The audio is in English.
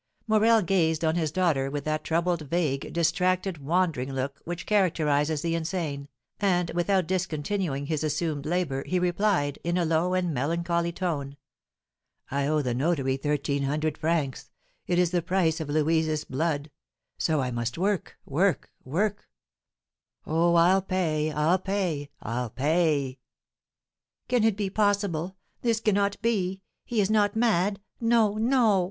Morel gazed on his daughter with that troubled, vague, distracted, wandering look which characterises the insane, and without discontinuing his assumed labour, he replied, in a low and melancholy tone: "I owe the notary thirteen hundred francs; it is the price of Louise's blood, so I must work, work, work! oh, I'll pay, I'll pay, I'll pay!" "Can it be possible? This cannot be, he is not mad, no, no!"